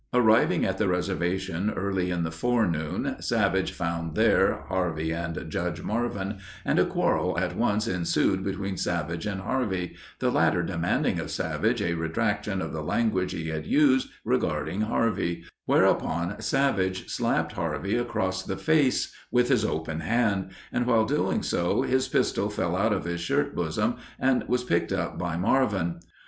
Arriving at the reservation early in the forenoon, Savage found there Harvey and Judge Marvin, and a quarrel at once ensued between Savage and Harvey, the latter demanding of Savage a retraction of the language he had used regarding Harvey, whereupon Savage slapped Harvey across the face with his open hand, and while doing so, his pistol fell out of his shirt bosom and was picked up by Marvin.